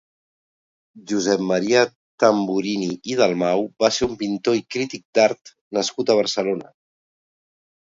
Josep Maria Tamburini i Dalmau va ser un pintor i crític d'art nascut a Barcelona.